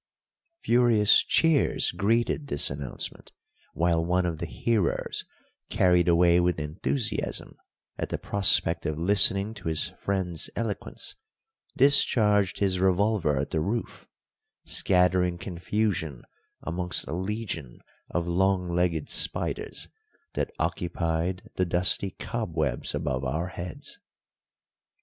Furious cheers greeted this announcement, while one of the hearers, carried away with enthusiasm at the prospect of listening to his friend's eloquence, discharged his revolver at the roof, scattering confusion amongst a legion of long legged spiders that occupied the dusty cobwebs above our heads.